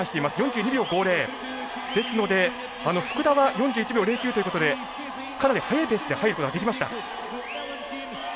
ですので福田は４１秒０９ということでかなり速いペースで入ることができました。